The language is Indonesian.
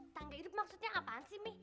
tangga hidup maksudnya apaan sih mi